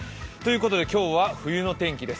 今日は冬の天気です。